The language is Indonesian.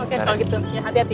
ya udah oke kalau gitu